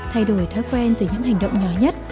thay đổi thói quen từ những hành động nhỏ nhất